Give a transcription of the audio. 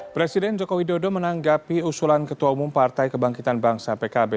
presiden joko widodo menanggapi usulan ketua umum partai kebangkitan bangsa pkb